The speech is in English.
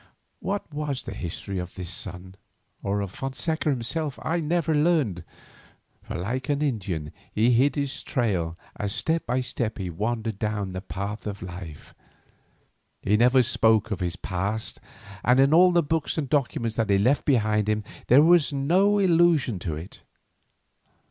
What was the history of this son, or of Fonseca himself, I never learned, for like an Indian he hid his trail as step by step he wandered down the path of life. He never spoke of his past, and in all the books and documents that he left behind him there is no allusion to it.